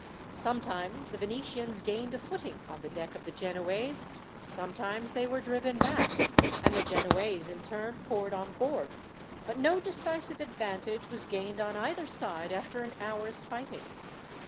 Sometimes the Venetians gained a footing on the deck of the Genoese, sometimes they were driven back, and the Genoese in turn poured on board, but no decisive advantage was gained on either side after an hour's fighting.